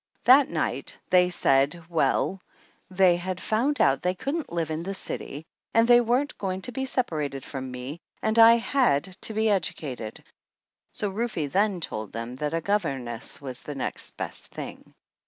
That night they said well, they had found out they couldn't live in the city, and they weren't going to be separated from me, and I had to be educated; so Rufe then told them that a gov erness was the next best thing.